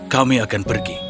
kami akan pergi